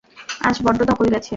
আজ বড্ড ধকল গেছে।